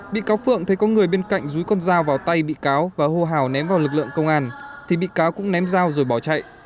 bị cáo phượng thấy có người bên cạnh rúi con dao vào tay bị cáo và hô hào ném vào lực lượng công an thì bị cáo cũng ném dao rồi bỏ chạy